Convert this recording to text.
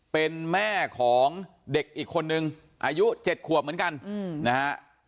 เป็นแม่ของเด็กอีกคนนึงอายุ๗ขวบเหมือนกันนะฮะ